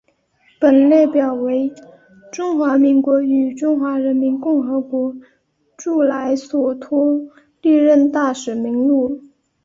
本列表为中华民国与中华人民共和国驻莱索托历任大使名录。